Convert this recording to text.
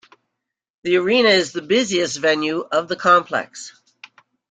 The arena is the busiest venue of the complex.